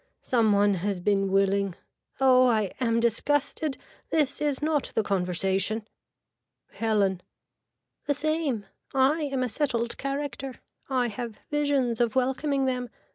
Some one has been willing. Oh I am disgusted. This is not the conversation. (Helen.) The same. I am a settled character. I have visions of welcoming them.